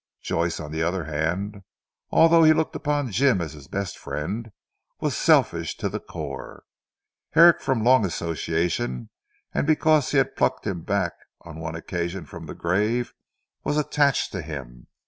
Joyce on the other hand, although he looked upon Jim as his best friend, was selfish to the core. Herrick from long association, and because he had plucked him back on one occasion from the grave, was attached to him.